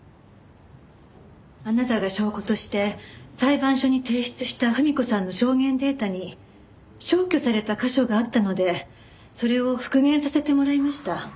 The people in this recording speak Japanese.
あなたが証拠として裁判所に提出した文子さんの証言データに消去された箇所があったのでそれを復元させてもらいました。